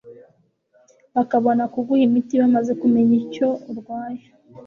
bakabona kuguha imiti bamaze kumenya icyo urwaye .